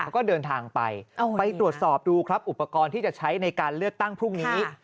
เขาก็เดินทางไปไปตรวจสอบดูครับอุปกรณ์ที่จะใช้ในการเลือกตั้งพรุ่งนี้